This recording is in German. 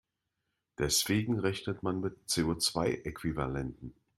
Deswegen rechnet man mit CO-zwei-Äquivalenten.